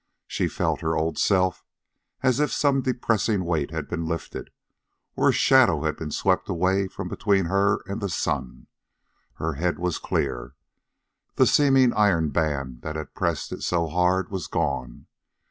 She felt her old self, as if some depressing weight had been lifted, or a shadow had been swept away from between her and the sun. Her head was clear. The seeming iron band that had pressed it so hard was gone.